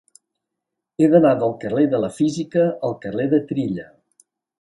He d'anar del carrer de la Física al carrer de Trilla.